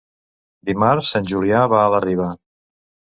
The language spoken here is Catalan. Dimarts en Julià va a la Riba.